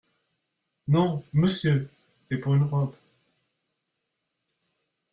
Non, Monsieur ! c’est pour une robe.